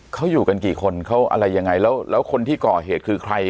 เขาอยู่กันกี่คนเขาอะไรยังไงแล้วแล้วคนที่ก่อเหตุคือใคร